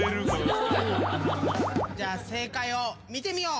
じゃあ正解を見てみよう！